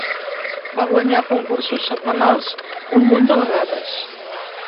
Va guanyar concursos setmanals un munt de vegades.